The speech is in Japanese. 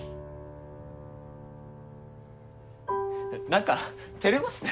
何か照れますね。